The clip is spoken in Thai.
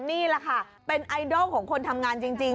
นี่แหละค่ะเป็นไอดอลของคนทำงานจริง